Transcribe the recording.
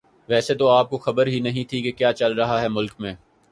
ویسے تو آپ کو خبر ہی نہیں تھی کہ کیا چل رہا ہے ملک میں